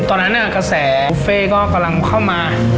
ตอนนั้นน่ะกระแสบุฟเฟต์ก็กำลังเข้ามา